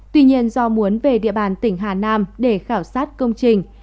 tuy nhiên do muốn về địa bàn tỉnh hà nam để khảo sát công trình